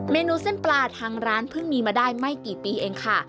เมนูเส้นปลาทางร้านเพิ่งมีมาได้ไม่กี่ปีเองค่ะ